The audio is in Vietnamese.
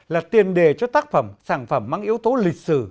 là tiền đề cho tác phẩm sản phẩm mang yếu tố lịch sử